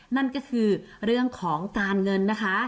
นั่นก็คือเรื่องของการเงินนะคะ